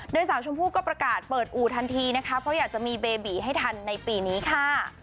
โดยสาวชมพู่ก็ประกาศเปิดอู่ทันทีนะคะเพราะอยากจะมีเบบีให้ทันในปีนี้ค่ะ